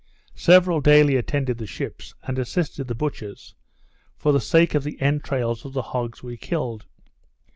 Several daily attended the ships, and assisted the butchers, for the sake of the entrails of the hogs we killed.